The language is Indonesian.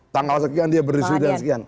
tanggal sekian dia berisik dan sekian